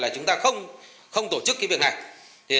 chúng ta không tổ chức cái việc này